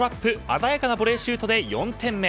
鮮やかなボレーシュートで４点目。